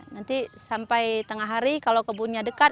nanti sampai tengah hari kalau kebunnya dekat